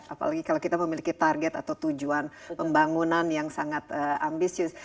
apalagi kalau kita memiliki target atau tujuan pembangunan yang sangat ambisius